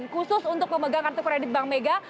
khusus untuk memegang kartu kredit bank mega